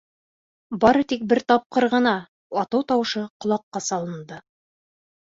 Бары тик бер тапҡыр ғына атыу тауышы ҡолаҡҡа салынды.